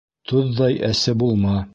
Тоҙҙай әсе булма